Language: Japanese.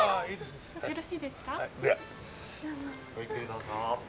ごゆっくりどうぞ。